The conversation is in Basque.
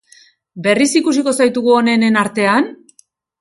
Berriz ikusiko zaitugu onenen artean?